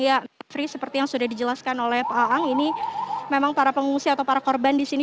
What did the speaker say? ya mevri seperti yang sudah dijelaskan oleh pak aang ini memang para pengungsi atau para korban di sini